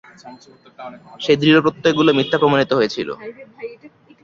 সেই দৃঢ়প্রত্যয়গুলো মিথ্যা প্রমাণিত হয়েছিল।